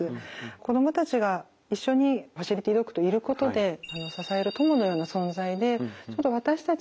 子供たちが一緒にファシリティドッグといることで支える友のような存在でちょっと私たち